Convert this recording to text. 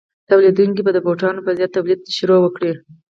تولیدونکي به د بوټانو په زیات تولید پیل وکړي